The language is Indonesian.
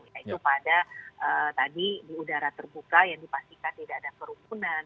yaitu pada tadi di udara terbuka yang dipastikan tidak ada kerumunan